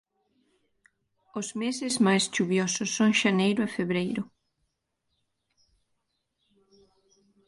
Os meses máis chuviosos son xaneiro e febreiro.